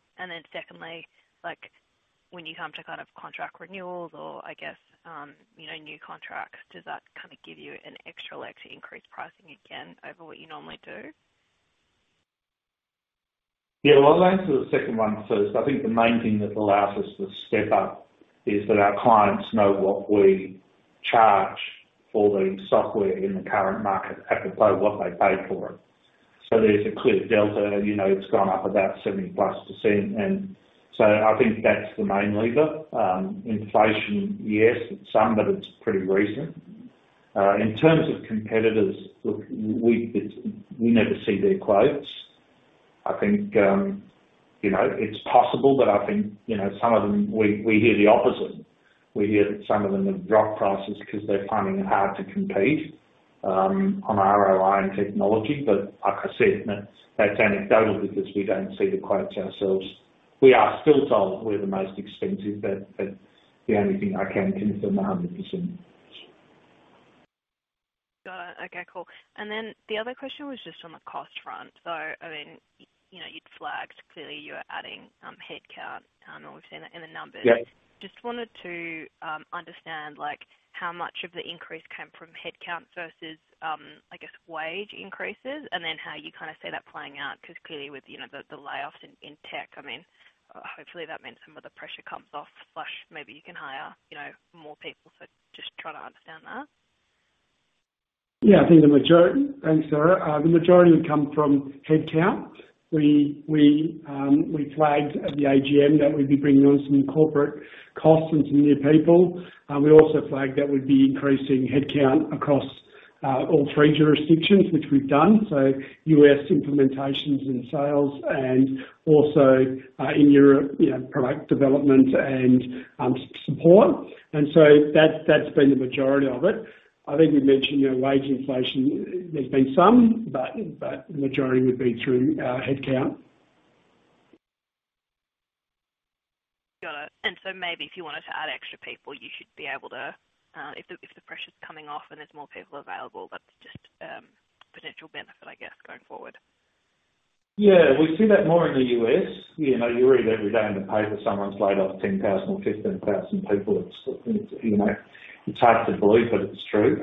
secondly, like, when you come to kind of contract renewals or I guess, you know, new contracts, does that kinda give you an extra leg to increase pricing again over what you normally do? Yeah, well, I'll answer the second one first. I think the main thing that allows us to step up is that our clients know what we charge for the software in the current market, aka what they paid for it. There's a clear delta. You know, it's gone up about 70+%. I think that's the main lever. Inflation, yes, some, but it's pretty recent. In terms of competitors, look, we never see their quotes. I think, you know, it's possible, but I think, you know, some of them we hear the opposite. We hear that some of them have dropped prices because they're finding it hard to compete on ROI and technology. Like I said, that's anecdotal because we don't see the quotes ourselves. We are still told we're the most expensive, but the only thing I can confirm 100%. Got it. Okay, cool. The other question was just on the cost front. I mean, you know, you'd flagged clearly you're adding headcount and we've seen it in the numbers. Yeah. Just wanted to understand, like, how much of the increase came from headcount versus, I guess wage increases and then how you kind of see that playing out. Clearly with, you know, the layoffs in tech, I mean, hopefully that meant some of the pressure comes off. Plus maybe you can hire, you know, more people. Just trying to understand that. I think the majority thanks, Sarah. The majority would come from headcount. We flagged at the AGM that we'd be bringing on some corporate costs and some new people. We also flagged that we'd be increasing headcount across all 3 jurisdictions, which we've done. US implementations in sales and also in Europe, you know, product development and support. That's been the majority of it. I think we mentioned, you know, wage inflation. There's been some, but majority would be through headcount. Got it. Maybe if you wanted to add extra people, you should be able to, if the, if the pressure's coming off and there's more people available, that's just potential benefit, I guess, going forward. Yeah, we see that more in the U.S. You know, you read every day in the paper someone's laid off 10,000 or 15,000 people. It's, you know, it's hard to believe, but it's true.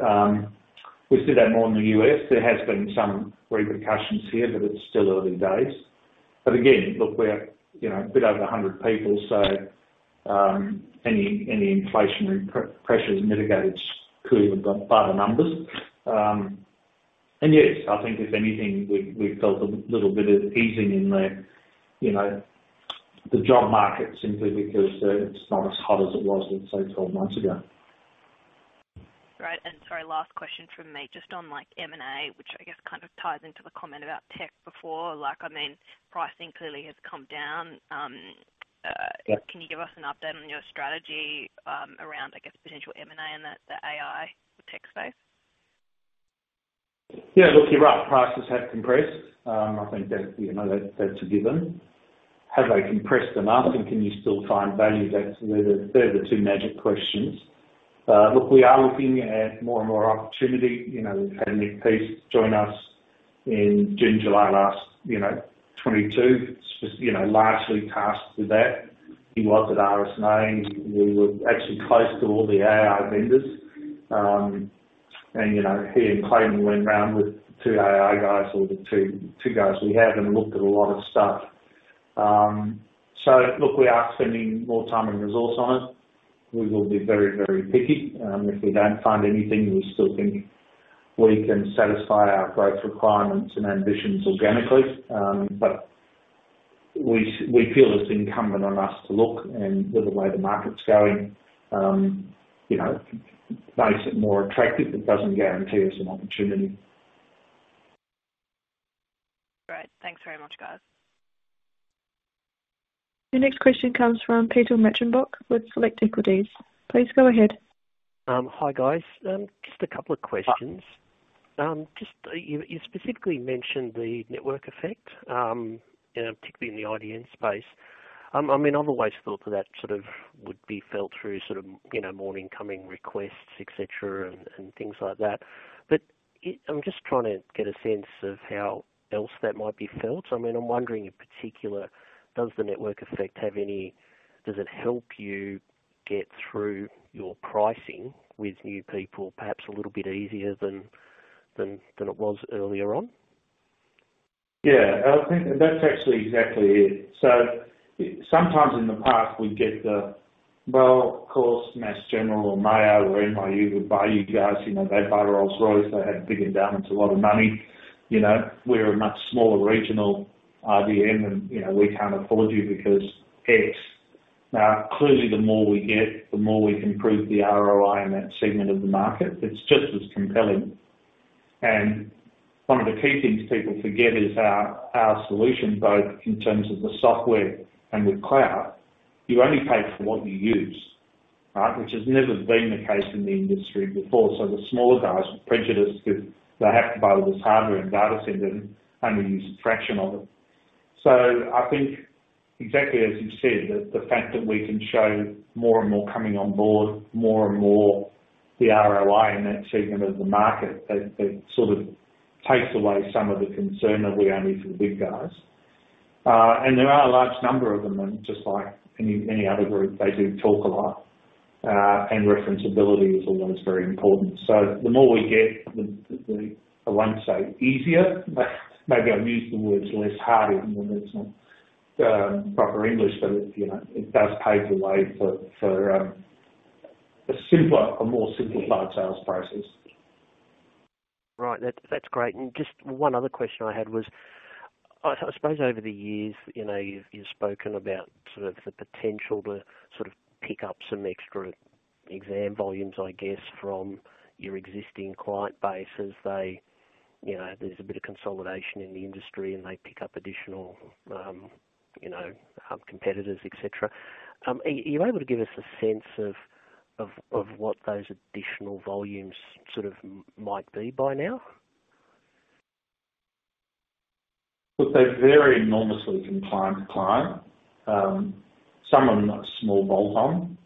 We see that more in the U.S. There has been some repercussions here, but it's still early days. Again, look, we're, you know, a bit over 100 people, so any inflationary pressure is mitigated clearly by the numbers. Yes, I think if anything, we've felt a little bit of easing in the, you know, the job market simply because it's not as hot as it was, let's say, 12 months ago. Right. Sorry, last question from me. Just on like M&A, which I guess kind of ties into the comment about tech before. Like, I mean pricing clearly has come down. Yeah. Can you give us an update on your strategy, around, I guess, potential M&A in the AI tech space? Yeah, look, you're right, prices have compressed. I think that, you know, that's a given. Have they compressed enough? Can you still find value? They're the two magic questions. Look, we are looking at more and more opportunity. You know, we've had Nick Peace join us in June, July last, you know, 2022, largely tasked with that. He was at RSNA. We were actually close to all the AI vendors. You know, he and Clayton went round with two AI guys or the two guys we have and looked at a lot of stuff. Look, we are spending more time and resource on it. We will be very, very picky. If we don't find anything, we still think we can satisfy our growth requirements and ambitions organically. We feel it's incumbent on us to look and with the way the market's going, you know, makes it more attractive. It doesn't guarantee us an opportunity. Great. Thanks very much, guys. The next question comes from Peter Meichelboeck with Select Equities. Please go ahead. Hi, guys. Just a couple of questions. Just you specifically mentioned the network effect, you know, particularly in the IDN space. I mean, I've always thought that that sort of would be felt through sort of, you know, more incoming requests, et cetera, and things like that. I'm just trying to get a sense of how else that might be felt. I mean, I'm wondering in particular, does the network effect have any does it help you get through your pricing with new people perhaps a little bit easier than it was earlier on? I think that's actually exactly it. Sometimes in the past we'd get the, "Well, of course Mass General or Mayo or NYU would buy you guys. You know, they buy Rolls-Royce. They have big endowments, a lot of money. You know, we're a much smaller regional RBM, and, you know, we can't afford you because X." Clearly, the more we get, the more we can prove the ROI in that segment of the market. It's just as compelling. One of the key things people forget is our solution, both in terms of the software and with cloud, you only pay for what you use, right? Which has never been the case in the industry before. The smaller guys are prejudiced if they have to buy all this hardware and data center and only use a fraction of it. I think exactly as you said, the fact that we can show more and more coming on board, more and more the ROI in that segment of the market, it sort of takes away some of the concern that we're only for the big guys. There are a large number of them, and just like any other group, they do talk a lot. Referenceability is always very important. The more we get, the I won't say easier, maybe I'll use the words less harder, even though that's not proper English, but it, you know, it does pave the way for a simpler, a more simpler large sales process. Right. That's great. Just one other question I had was, I suppose over the years, you've spoken about sort of the potential to sort of pick up some extra exam volumes, I guess, from your existing client base as they, you know, there's a bit of consolidation in the industry and they pick up additional, you know, competitors, et cetera. Are you able to give us a sense of what those additional volumes might be by now? They vary enormously from client to client. Some of them are small bolt-on,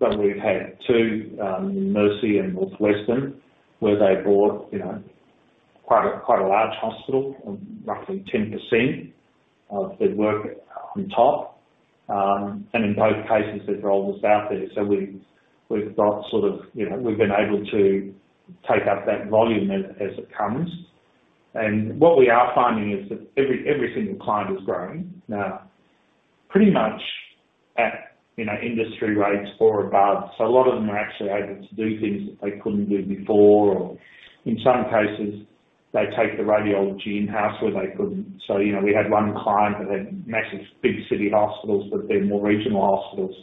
but we've had two, in Mercy and Northwestern, where they bought, you know, quite a, quite a large hospital, roughly 10% of their work on top. In both cases, they've rolled us out there. We've got sort of, you know, we've been able to take up that volume as it comes. What we are finding is that every single client is growing now pretty much at, you know, industry rates or above. A lot of them are actually able to do things that they couldn't do before or in some cases, they take the radiology in-house where they couldn't. You know, we had one client that had massive big city hospitals, but they're more regional hospitals.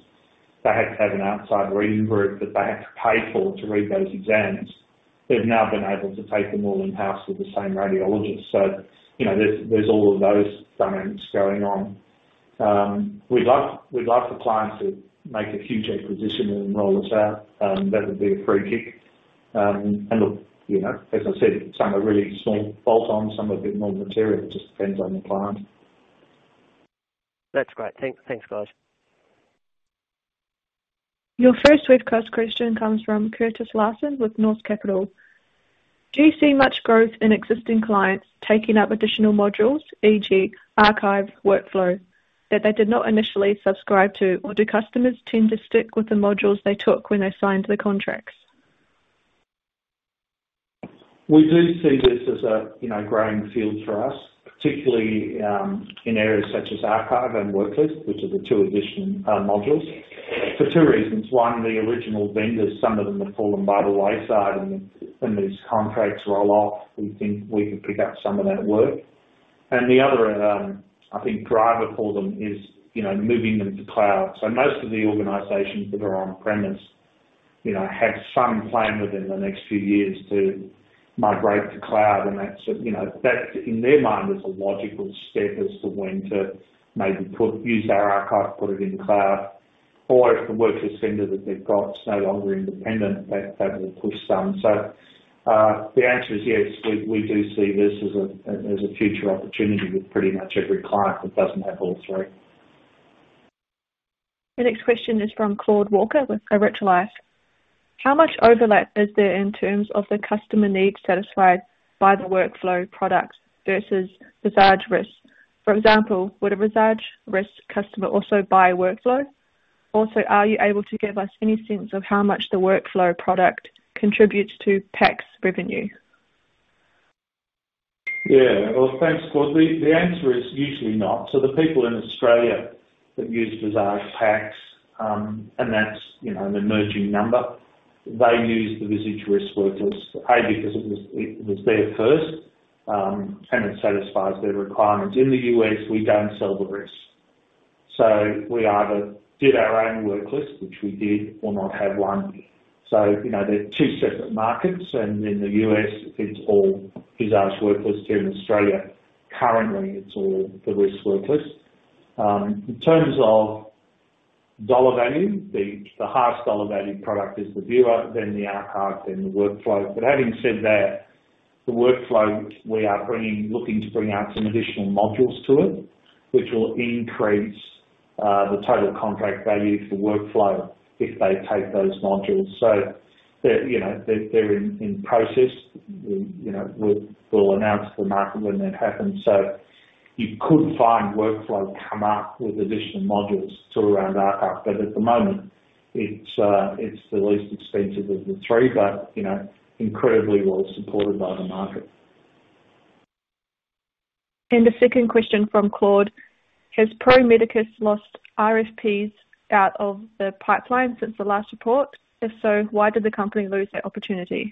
They had to have an outside reading group that they had to pay for to read those exams. They've now been able to take them all in-house with the same radiologists. You know, there's all of those dynamics going on. We'd like the client to make a huge acquisition and enroll us out. That would be a free kick. Look, you know, as I said, some are really small bolt-on, some are a bit more material. It just depends on the client. That's great. Thanks, guys. Your first webcast question comes from Curtis Larson with North Capital. Do you see much growth in existing clients taking up additional modules, e.g., archive workflow, that they did not initially subscribe to? Do customers tend to stick with the modules they took when they signed the contracts? We do see this as a, you know, growing field for us, particularly, in areas such as archive and worklist, which are the two additional modules for two reasons. One, the original vendors, some of them have fallen by the wayside and as contracts roll off, we think we could pick up some of that work. The other, I think driver for them is, you know, moving them to cloud. Most of the organizations that are on-premise, you know, have some plan within the next few years to migrate to cloud, and that's a, you know, that in their mind is a logical step as to when to maybe use our archive, put it in cloud, or if the worklist vendor that they've got is no longer independent, that will push some. The answer is yes, we do see this as a future opportunity with pretty much every client that doesn't have all three. The next question is from Claude Walker with Virtual Life. How much overlap is there in terms of the customer needs satisfied by the workflow products versus Visage RIS? For example, would a Visage RIS customer also buy workflow? Also, are you able to give us any sense of how much the workflow product contributes to PACS revenue? Well, thanks, Claude. The answer is usually not. The people in Australia that use Visage PACS, and that's, you know, an emerging number. They use the Visage RIS workflows because it was there first, and it satisfies their requirements. In the U.S., we don't sell the RIS. We either did our own Worklist, which we did, or not have one. They're two separate markets, and in the U.S. it's all Visage workflows. Here in Australia, currently it's all the RIS workflows. In terms of dollar value, the highest dollar value product is the viewer, then the archive, then the workflow. Having said that, the workflow we are looking to bring out some additional modules to it, which will increase the total contract value for workflow if they take those modules. They're, you know, they're in process. We, you know, we'll announce to the market when that happens. You could find workflow come up with additional modules to around archive. At the moment it's the least expensive of the three but, you know, incredibly well supported by the market. The second question from Claude: Has Pro Medicus lost RFPs out of the pipeline since the last report? If so, why did the company lose that opportunity?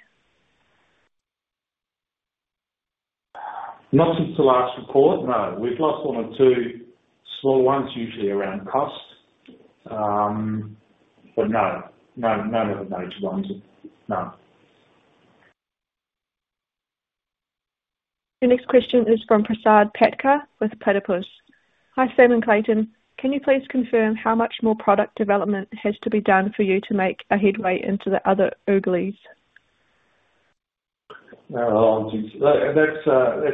Not since the last report, no. We've lost one or two small ones, usually around cost. No. None of the major ones, no. The next question is from Prasad Patkar with Platypus. Hi, Sam and Clayton. Can you please confirm how much more product development has to be done for you to make a headway into the other ooglies? That's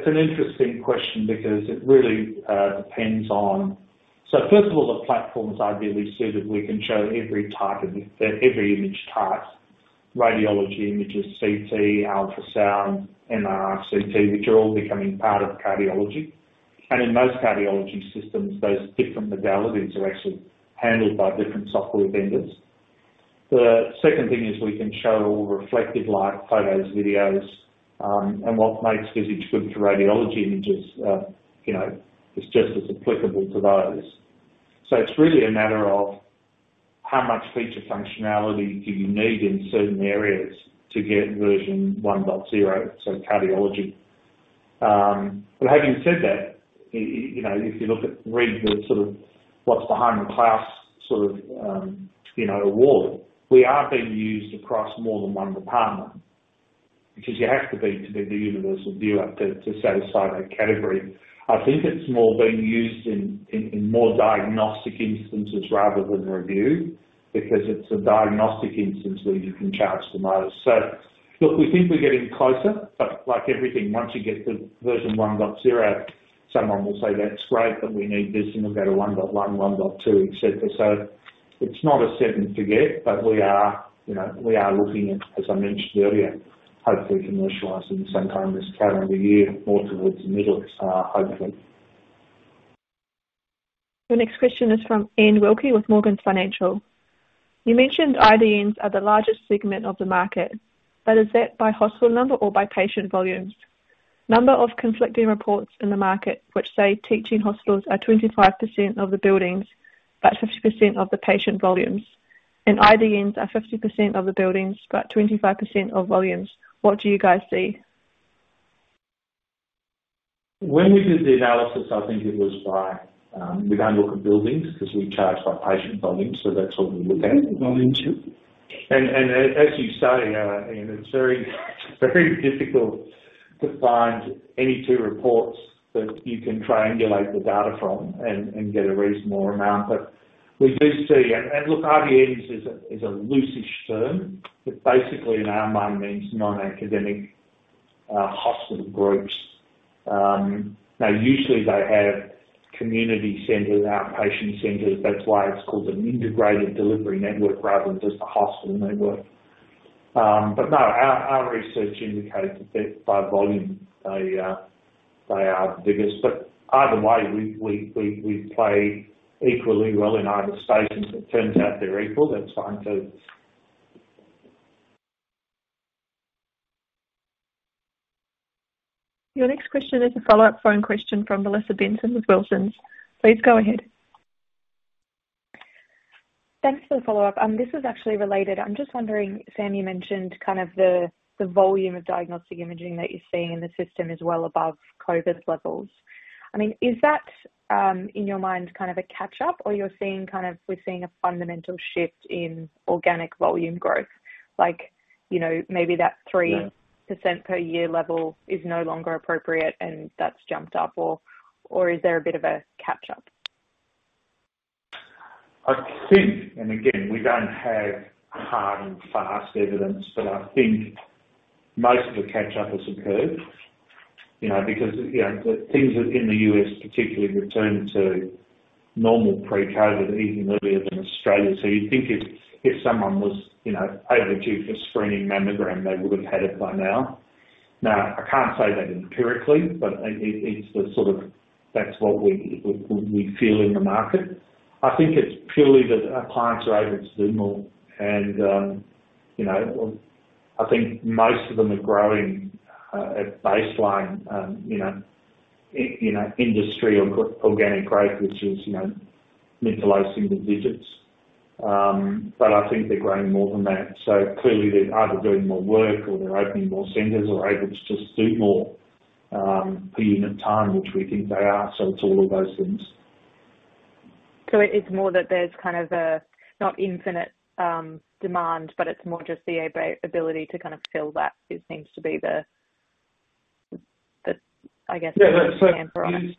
an interesting question because it really depends on. First of all, the platform is ideally suited. We can show every image type, Radiology images, CT, ultrasound, MRI, CT, which are all becoming part of cardiology. In most cardiology systems, those different modalities are actually handled by different software vendors. The second thing is we can show all reflective light photos, videos, what makes Visage good for radiology images, you know, is just as applicable to those. It's really a matter of how much feature functionality do you need in certain areas to get version 1.0, so cardiology. Having said that, you know, if you look at, read the sort of what's behind the KLAS, sort of, you know, award, we are being used across more than one department. Because you have to be, to be the universal viewer to satisfy that category. I think it's more being used in more diagnostic instances rather than review, because it's a diagnostic instance where you can charge the most. look, we think we're getting closer, but like everything, once you get to version one dot zero, someone will say, "That's great, but we need this," and we'll go to one dot one dot two, et cetera. it's not a set and forget, but we are, you know, we are looking at, as I mentioned earlier, hopefully commercializing some time this calendar year, more towards the middle, hopefully. The next question is from Ian Wilkie with Morgans Financial. You mentioned IDNs are the largest segment of the market, but is that by hospital number or by patient volumes? Number of conflicting reports in the market which say teaching hospitals are 25% of the buildings, but 50% of the patient volumes, and IDNs are 50% of the buildings, but 25% of volumes. What do you guys see? When we did the analysis, I think it was by. We don't look at buildings 'cause we charge by patient volumes, so that's what we look at. Volumes, yeah. As you say, Ian, it's very very difficult to find any two reports that you can triangulate the data from and get a reasonable amount. We do see, and look, IDNs is a loose-ish term that basically in our mind means non-academic hospital groups. Now usually they have community centers, outpatient centers. That's why it's called an integrated delivery network rather than just a hospital network. No, our research indicates that by volume, they are the biggest. Either way, we play equally well in either space, and if it turns out they're equal, that's fine too. Your next question is a follow-up phone question from Melissa Benson with Wilsons. Please go ahead. Thanks for the follow-up. This is actually related. I'm just wondering, Sam, you mentioned kind of the volume of diagnostic imaging that you're seeing in the system is well above COVID levels. I mean, is that in your mind kind of a catch-up or you're seeing, we're seeing a fundamental shift in organic volume growth? Like, you know, maybe that 3% Yeah. per year level is no longer appropriate and that's jumped up or is there a bit of a catch-up? I think, and again, we don't have hard and fast evidence, but I think most of the catch-up has occurred. You know, because, you know, the things that in the U.S. particularly returned to normal pre-COVID even earlier than Australia. You'd think if someone was, you know, overdue for screening mammogram, they would've had it by now. I can't say that empirically, but it's the sort of, that's what we feel in the market. I think it's purely that our clients are able to do more and, you know, I think most of them are growing at baseline, you know, in an industry or organic growth, which is, you know, mid to low single digits. I think they're growing more than that. Clearly they're either doing more work or they're opening more centers or able to just do more per unit time, which we think they are. It's all of those things. It's more that there's kind of a, not infinite, demand, but it's more just the ability to kind of fill that is seems to be the, I guess. Yeah. the answer, right?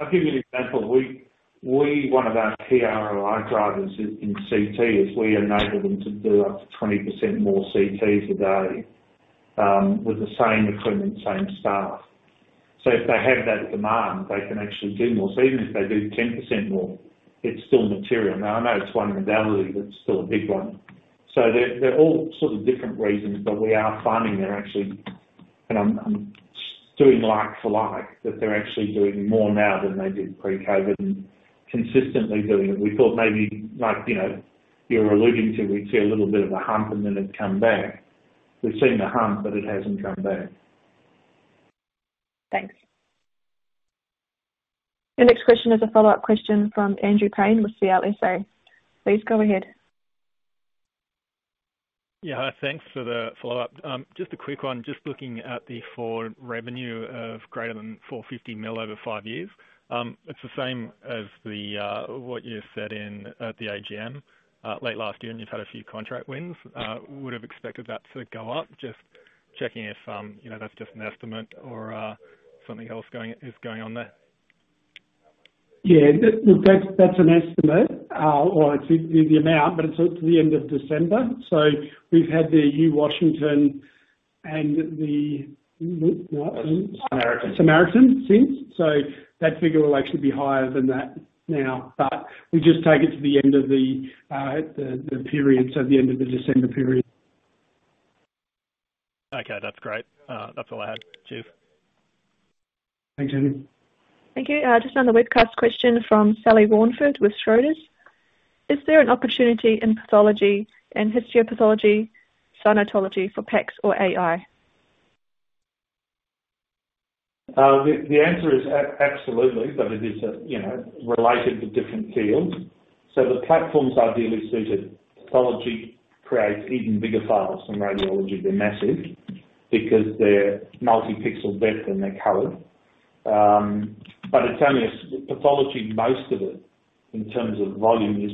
I'll give you an example. We, one of our ROI drivers in CT is we enable them to do up to 20% more CTs a day with the same equipment, same staff. If they have that demand, they can actually do more. Even if they do 10% more, it's still material. I know it's one modality, but it's still a big one. They're all sort of different reasons, but we are finding they're actually, and I'm doing like for like, that they're actually doing more now than they did pre-COVID and consistently doing it. We thought maybe like, you know, you're alluding to, we'd see a little bit of a hump and then it'd come back. We've seen the hump, but it hasn't come back. Thanks. Your next question is a follow-up question from Andrew Crane with CLSA. Please go ahead. Yeah. Thanks for the follow-up. Just a quick one. Just looking at the forward revenue of greater than 450 million over 5 years. It's the same as what you said at the AGM late last year. You've had a few contract wins. Would've expected that to go up. Just checking if, you know, that's just an estimate or something else is going on there. Yeah. Look, that's an estimate, or it's the amount, but it's up to the end of December. We've had the U Washington And the- Samaritan... Samaritan since. That figure will actually be higher than that now, but we just take it to the end of the period, so the end of the December period. Okay, that's great. That's all I had, Chief. Thanks, Jamie. Thank you. Just on the webcast question from Sally Warneford with Schroders. Is there an opportunity in pathology and histopathology, cytology for PACS or AI? The answer is absolutely, you know, related to different fields. The platform's ideally suited. Pathology creates even bigger files than radiology. They're massive because they're multi-pixel depth, and they're colored. It's only a pathology, most of it, in terms of volume, is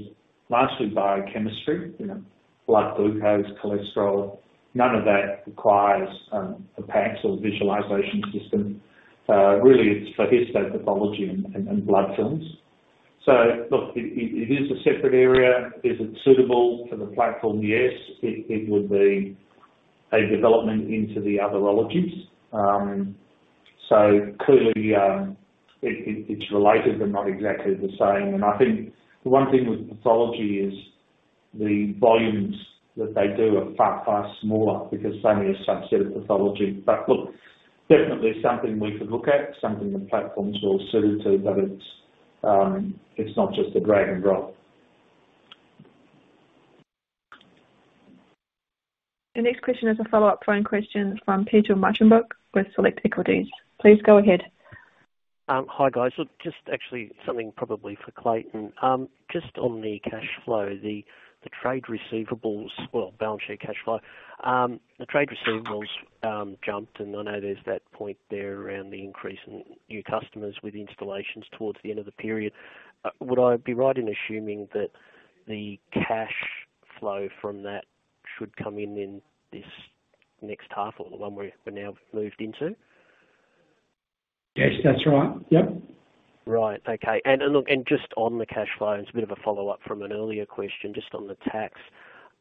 mostly biochemistry. You know, blood glucose, cholesterol. None of that requires a PACS or visualization system. Really, it's for histopathology and blood films. Look, it is a separate area. Is it suitable for the platform? Yes. It would be a development into the otherologies. Clearly, it's related but not exactly the same. I think the one thing with pathology is the volumes that they do are far smaller because it's only a subset of pathology. Look, definitely something we could look at, something the platforms are suited to, but it's not just a drag and drop. The next question is a follow-up phone question from Peter Meichelboeck with Select Equities. Please go ahead. Hi, guys. Look, just actually something probably for Clayton. Just on the cash flow, the trade receivables or balance sheet cash flow. The trade receivables, jumped, and I know there's that point there around the increase in new customers with installations towards the end of the period. Would I be right in assuming that the cash flow from that should come in in this next half or the one we've now moved into? Yes, that's right. Yep. Right. Okay. Just on the cash flows, a bit of a follow-up from an earlier question, just on the tax.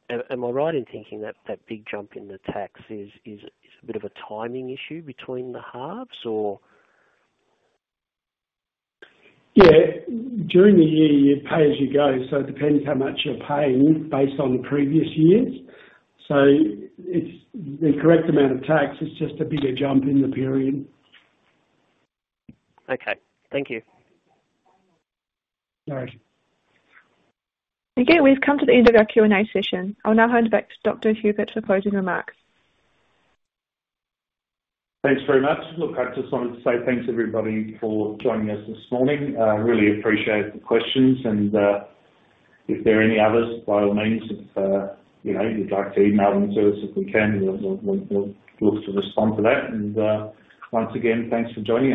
Am I right in thinking that that big jump in the tax is a bit of a timing issue between the halves or? Yeah. During the year, you pay as you go, so it depends how much you're paying based on the previous years. It's the correct amount of tax. It's just a bigger jump in the period. Okay. Thank you. No worries. Again, we've come to the end of our Q&A session. I'll now hand back to Dr. Hupert for closing remarks. Thanks very much. Look, I just wanted to say thanks everybody for joining us this morning. Really appreciate the questions and if there are any others, by all means, if, you know, you'd like to email them to us, if we can, we'll look to respond to that. Once again, thanks for joining us.